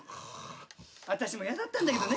私も嫌だったんだけどね